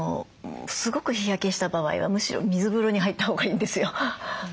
すごく日焼けした場合はむしろ水風呂に入ったほうがいいんですよ。